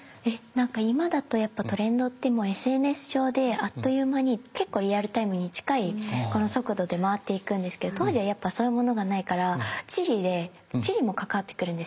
なんか今だとやっぱトレンドってＳＮＳ上であっという間に結構リアルタイムに近い速度で回っていくんですけど当時はやっぱそういうものがないから地理も関わってくるんですね。